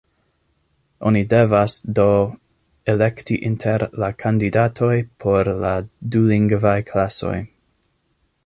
Oni devas, do, elekti inter la kandidatoj por la dulingvaj klasoj.